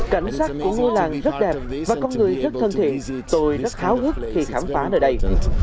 cảnh sát của ngôi làng rất đẹp và con người rất thân thiện tôi rất khá ước khi khám phá nơi đây